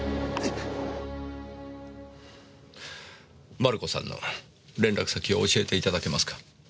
マルコさんの連絡先を教えて頂けますか？